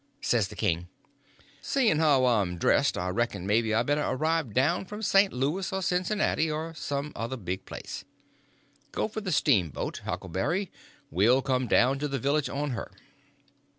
Says the king: "Seein' how I'm dressed, I reckon maybe I better arrive down from St. Louis or Cincinnati, or some other big place. Go for the steamboat, Huckleberry; we'll come down to the village on her."